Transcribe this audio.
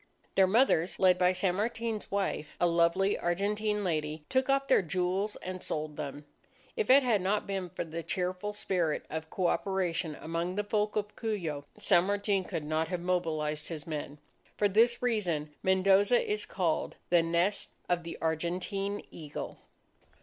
Their mothers, led by San Martin's wife, a lovely Argentine lady, took off their jewels and sold them. If it had not been for the cheerful spirit of coöperation among the folk of Cuyo, San Martin could not have mobilized his men. For this reason, Mendoza is called "The Nest of the Argentine Eagle."